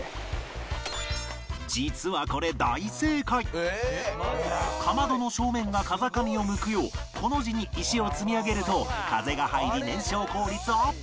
実はこれかまどの正面が風上を向くようコの字に石を積み上げると風が入り燃焼効率アップ